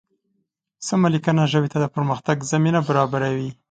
سمه لیکنه ژبې ته د پرمختګ زمینه برابروي.